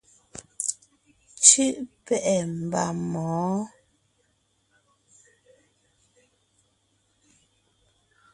Cú’ pɛ́’ɛ mba mɔ̌ɔn.